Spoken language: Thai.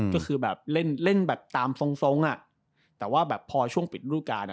ก็คือแบบเล่นแบบตามทรงอะแต่ว่าแบบพอช่วงปิดรูปการณ์